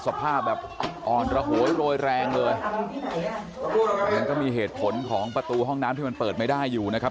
สภาพแบบอ่อนระโหยโรยแรงเลยแต่มันก็มีเหตุผลของประตูห้องน้ำที่มันเปิดไม่ได้อยู่นะครับ